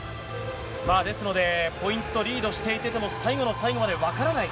ですので、ポイントリードしてても、最後の最後まで分からない。